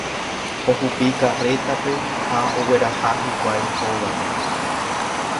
Ohupi karrétape ha ogueraha hikuái hógape.